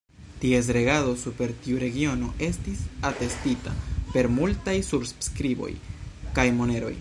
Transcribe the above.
Ties regado super tiu regiono estis atestita per multaj surskriboj kaj moneroj.